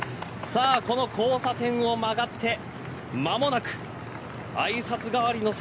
この交差点を曲がって間もなくあいさつ代わりの坂。